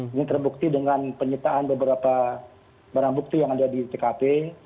ini terbukti dengan penyitaan beberapa barang bukti yang ada di tkp